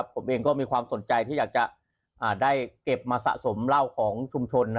ผมเองก็มีความสนใจที่อยากจะได้เก็บมาสะสมเหล้าของชุมชน